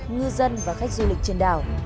ngư dân và khách du lịch trên đảo